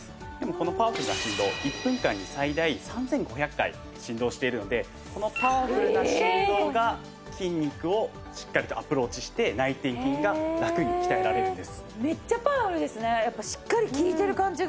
このパワフルな振動１分間に最大３５００回振動しているのでこのパワフルな振動が筋肉をしっかりとアプローチして内転筋がラクに鍛えられるんです。